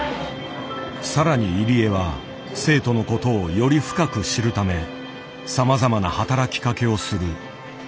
さらに入江は生徒のことをより深く知るためさまざまな働きかけをする。